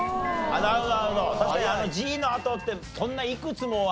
なるほど確かにあの「磁」のあとってそんないくつもは。